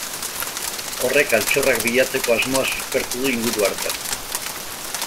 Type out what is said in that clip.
Horrek altxorrak bilatzeko asmoa suspertu du inguru hartan.